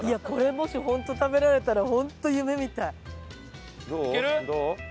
これもし本当食べられたら本当夢みたい。